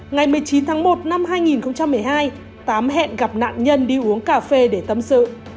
ngày một mươi chín tháng một năm hai nghìn một mươi hai tám hẹn gặp nạn nhân đi uống cà phê để tâm sự